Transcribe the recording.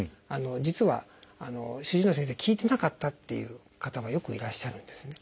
実は主治医の先生聞いてなかったっていう方がよくいらっしゃるんですね。